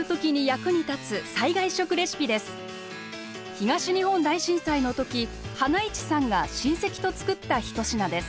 東日本大震災の時はないちさんが親戚と作った一品です。